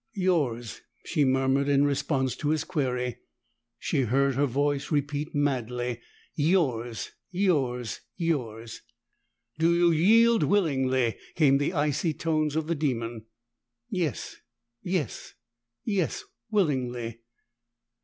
"Yours!" she murmured in response to his query. She heard her voice repeat madly, "Yours! Yours! Yours!" "Do you yield willingly?" came the icy tones of the demon. "Yes yes yes! Willingly!"